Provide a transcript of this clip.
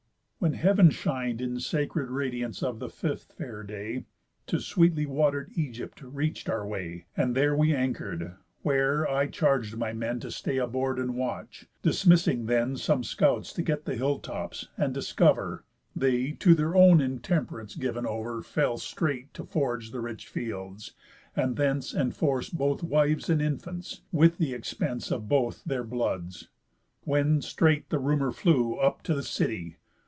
When heav'n shin'd In sacred radiance of the fifth fair day, To sweetly water'd Egypt reach'd our way, And there we anchor'd; where I charg'd my men To stay aboard, and watch. Dismissing then Some scouts to get the hill tops, and discover, They (to their own intemperance giv'n over). Straight fell to forage the rich fields, and thence Enforce both wives and infants, with th' expence Of both their bloods. When straight the rumour flew Up to the city.